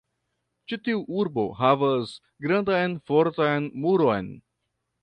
Ĉi tiu urbo havas grandan fortan muron.